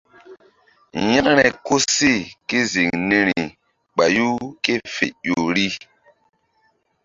Yȩkre koseh ké ziŋ niri ɓayu ké fe ƴo ri.